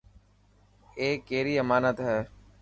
اي ڪيري امانت هي.